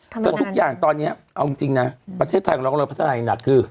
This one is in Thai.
ถึงทุกอย่างตอนนี้เอาจริงฮะประเทศไทยของเราผัดธนาษายที่หนักคือ